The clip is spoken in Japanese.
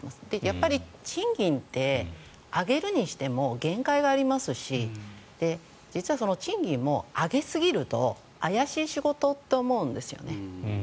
やっぱり賃金って上げるにしても限界がありますし実は賃金も上げすぎると怪しい仕事って思うんですよね。